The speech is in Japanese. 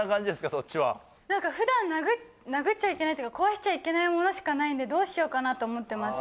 そっちはなんかふだん殴っちゃいけないっていうか壊しちゃいけないものしかないんでどうしようかなと思ってます